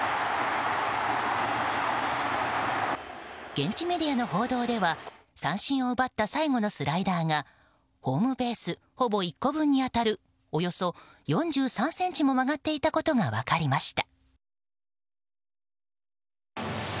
現地メディアの報道では三振を奪った最後のスライダーがホームベースほぼ１個分に当たるおよそ４３ｃｍも曲がっていたことが分かりました。